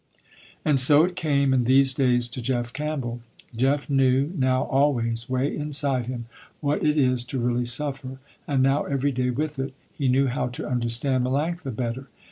And so it came in these days to Jeff Campbell. Jeff knew now always, way inside him, what it is to really suffer, and now every day with it, he knew how to understand Melanctha better.